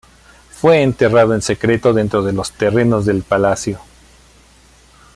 Fue enterrado en secreto dentro de los terrenos del palacio.